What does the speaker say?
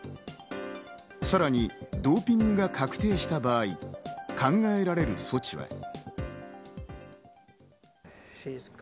さらにドーピングが確定した場合、考えられる措置は。